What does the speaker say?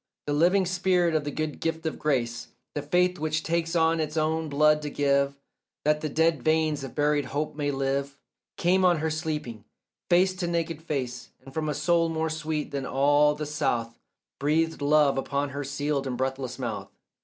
The living spirit, the good gift of grace, The faith which takes of its own blood to give That the dead veins of buried hope may live, Came on her sleeping, face to naked face, And from a soul more sweet than all the south Breathed love upon her sealed and breathless mouth.